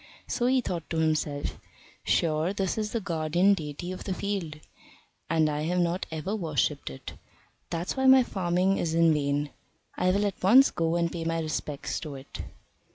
So he thought to himself, "Sure this is the guardian deity of the field, and I have not ever worshipped it. That's why my farming is in vain. I will at once go and pay my respects to it."